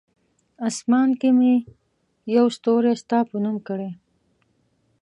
آسمان کې مې یو ستوری ستا په نوم کړی!